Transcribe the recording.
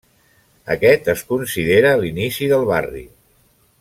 Aquest es considera l'inici del barri.